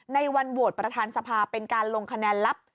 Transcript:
ในวันโหวตประธานสภาเป็นการลงคะแนนลับ